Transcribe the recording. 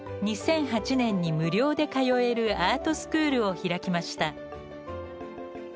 ２００８年に無料で通えるアートスクールを開きました。